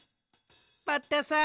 バッタさん？